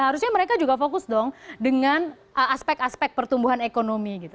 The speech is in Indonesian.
harusnya mereka juga fokus dong dengan aspek aspek pertumbuhan ekonomi gitu